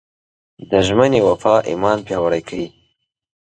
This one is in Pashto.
د ژمنې وفا ایمان پیاوړی کوي.